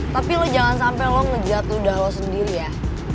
tapi lo jangan sampai lo ngejat udah lo sendiri ya